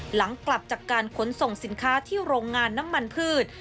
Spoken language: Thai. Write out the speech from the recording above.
หลังกลับจากการขนส่งสินค้าที่โรงงานน้ำมันพืช